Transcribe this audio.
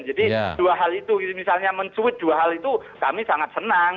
jadi dua hal itu misalnya mencuit dua hal itu kami sangat senang